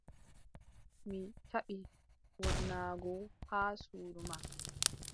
Mi jaɓi wernaago haa suudu ma.